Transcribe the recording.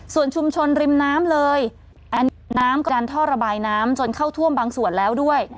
ส่วนชุมชนริมน้ำเลยน้ำกระดันท่อระบายน้ำจนเข้าท่วมบางส่วนแล้วด้วย